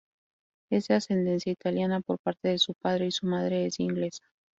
Es de ascendencia italiana por parte de su padre y su madre es inglesa.